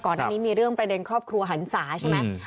อันนี้มีเรื่องประเด็นครอบครัวหันศาใช่ไหม